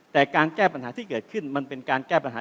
แต่การแก้ปัญหาที่เกิดขึ้นมันเป็นการแก้ปัญหา